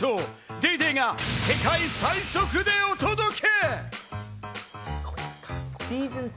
『ＤａｙＤａｙ．』が世界最速でお届け。